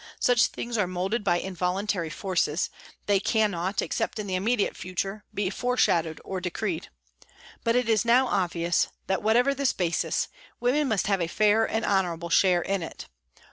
Such things are moulded by involuntary forces ; they cannot, except in the immediate future, be foreshadowed or decreed. But it is now obvious that, whatever this basis, women SOME TYPES OF PRISONERS 137 must have a fair and honourable share in it.